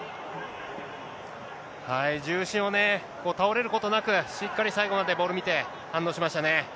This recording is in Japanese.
重心をね、倒れることなく、しっかり最後までボール見て、反応しましたね。